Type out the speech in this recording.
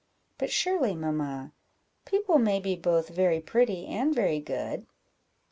"But surely, mamma, people may be both very pretty and very good?"